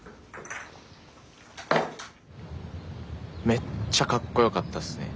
めっちゃかっこよかったっすね。